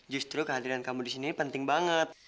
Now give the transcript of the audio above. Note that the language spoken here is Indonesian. justru kehadiran kamu di sini penting banget